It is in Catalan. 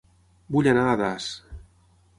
Vull anar a Das